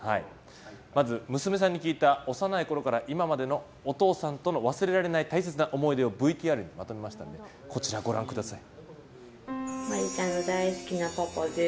まず、娘さんに聞いた幼いころから今までのお父さんとの忘れられない大切な思い出をＶＴＲにまとめましたのでこちらご覧ください。